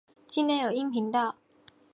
境内有阴平道。